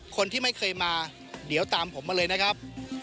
คนที่ไม่เคยมาเดี๋ยวตามผมมาเลยนะครับ